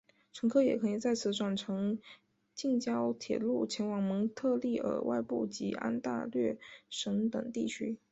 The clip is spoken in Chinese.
乘客也可以在此转乘近郊铁路前往蒙特利尔外部及安大略省等地区。